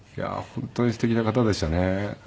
本当にすてきな方でしたね。